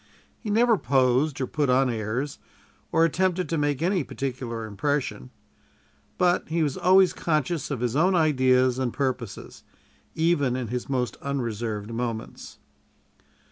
He never posed, or put on airs, or attempted to make any particular impression; but he was always conscious of his own ideas and purposes, even in his most unreserved moments.